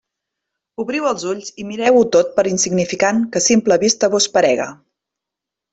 Obriu els ulls i mireu-ho tot per insignificant que a simple vista vos parega.